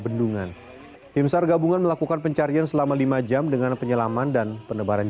bendungan tim sar gabungan melakukan pencarian selama lima jam dengan penyelaman dan penebaran